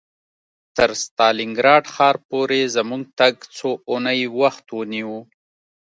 تر ستالینګراډ ښار پورې زموږ تګ څو اونۍ وخت ونیو